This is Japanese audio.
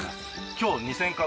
今日２０００株？